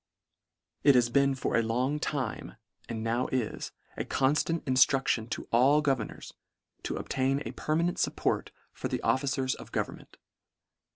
LETTER IX. 89 It has been for a long time, and now is, a conftant inftruftion to all governors, to obtain a permanent fupport for the officers of government.